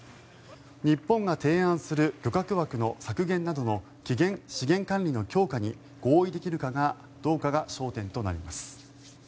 日本が提案する漁獲枠の削減などの資源管理の強化に合意できるかどうかが焦点となります。